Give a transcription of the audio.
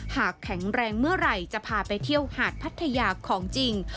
แข็งแรงเมื่อไหร่จะพาไปเที่ยวหาดพัทยาของจริง